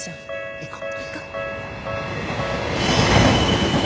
行こう。